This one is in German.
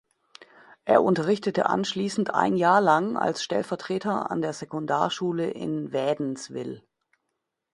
Er unterrichtete anschliessend ein Jahr lang als Stellvertreter an der Sekundarschule in Wädenswil.